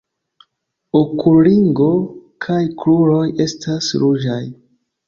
Okulringo kaj kruroj estas ruĝaj.